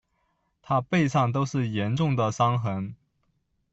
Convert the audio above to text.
她背上都是严重的伤痕